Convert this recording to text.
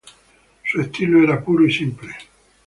Su estilo era puro y simple.